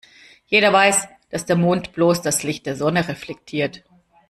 Jeder weiß, dass der Mond bloß das Licht der Sonne reflektiert.